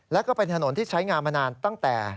แล้วก็เป็นถนนที่ใช้งานมานานตั้งแต่